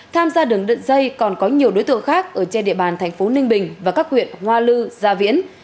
tham gia đường đận dây còn có nhiều đối tượng khác ở trên địa bàn thành phố ninh bình và các huyện hoa lư gia viễn